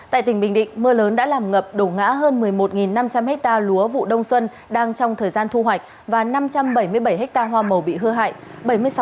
tại tỉnh bình định mưa lớn đã làm ngập đổ ngã hơn một mươi một năm trăm linh hectare lúa vụ đông xuân đang trong thời gian thu hoạch và năm trăm bảy mươi bảy ha hoa màu bị hư hại